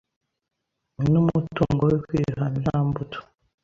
N'umutungo we Kwihana nta mbuto